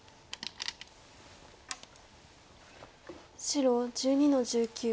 白１２の十九。